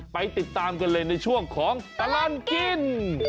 ไปติดตามกันเลยในช่วงของตลอดกิน